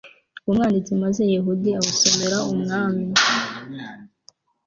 w umwanditsi maze Yehudi awusomera umwami